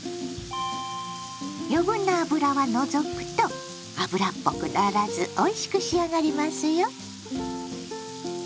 余分な脂は除くと脂っぽくならずおいしく仕上がりますよ。